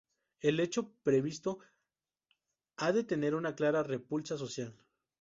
El hecho previsto ha de tener una clara repulsa social.